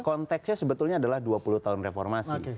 konteksnya sebetulnya adalah dua puluh tahun reformasi